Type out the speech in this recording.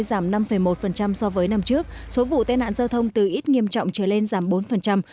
giảm năm một so với năm trước số vụ tai nạn giao thông từ ít nghiêm trọng trở lên giảm bốn